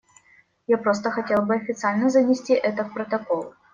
Я просто хотел бы официально занести это в протокол.